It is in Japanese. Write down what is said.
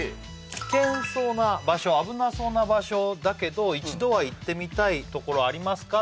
危険そうな場所危なそうな場所だけど一度は行ってみたいところありますか？